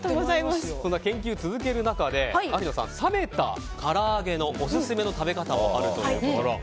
研究を続ける中で有野さん、冷めたから揚げのオススメの食べ方があるということで。